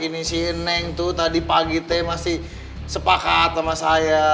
ini sih neng tuh tadi pagi teh masih sepakat sama saya